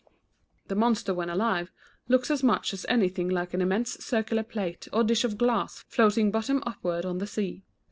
The monster when alive looks as much as anything like an immense circular plate or dish of glass floating bottom upward on the sea.